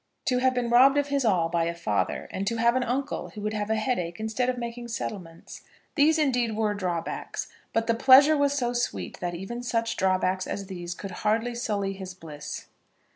To have been robbed of his all by a father, and to have an uncle who would have a headache instead of making settlements, these indeed were drawbacks; but the pleasure was so sweet that even such drawbacks as these could hardly sully his bliss.